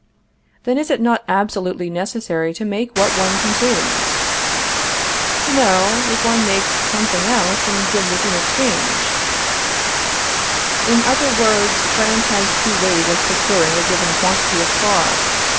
Then it is not absolutely necessary to make what one consumes? No, if one makes something else, and gives it in exchange. In other words, France has two ways of procuring a given quantity of cloth.